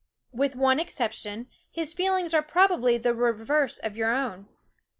With one exception, his THE WOODS & feelings are probably the reverse of your own.